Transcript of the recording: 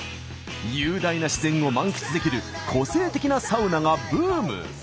雄大な自然を満喫できる個性的なサウナがブーム。